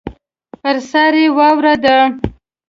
پر سر یې واوره ده.